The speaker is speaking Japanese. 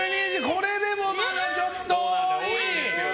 これでもまだちょっと多い。